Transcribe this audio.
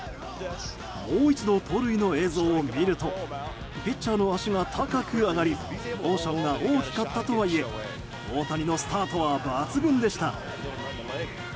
もう一度、盗塁の映像を見るとピッチャーの足が高く上がりモーションが大きかったとはいえ大谷のスタートは抜群でした。